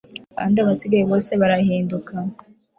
Kandi abasigaye bose barahinduka